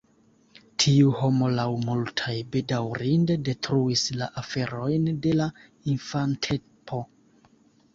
Tiu homo laŭ multaj bedaŭrinde detruis la aferojn de la infantempo.